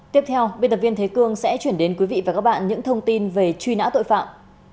tiếp theo biên tập viên thế cương sẽ chuyển đến quý vị và các bạn những thông tin về truy nã tội phạm